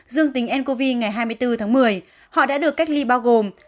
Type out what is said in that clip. dương tính ncov ngày hai mươi bốn tháng một mươi họ đã được cách ly bao gồm